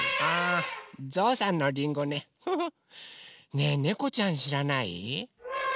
ねえねこちゃんしらない？